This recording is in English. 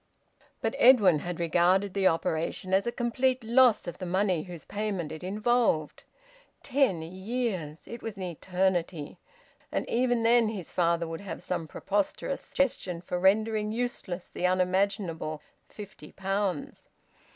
But Edwin had regarded the operation as a complete loss of the money whose payment it involved. Ten years! It was an eternity! And even then his father would have some preposterous suggestion for rendering useless the unimaginable fifty pounds!